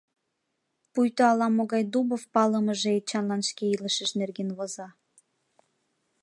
Пуйто ала-могай Дубов палымыже Эчанлан шке илышыж нерген воза.